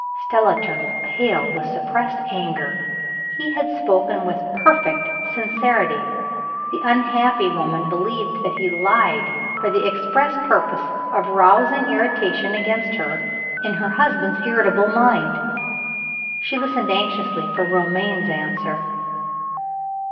(Stella turned pale with suppressed anger. He had spoken with perfect sincerity. The unhappy woman believed that he lied, for the express purpose of rousing irritation against her, in her husband's irritable mind. She listened anxiously for Romayne's answer.)